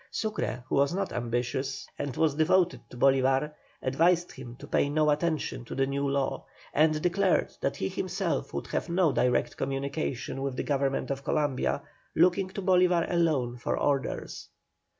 Sucre, who was not ambitious, and was devoted to Bolívar, advised him to pay no attention to the new law, and declared that he himself would have no direct communication with the Government of Columbia, looking to Bolívar alone for orders.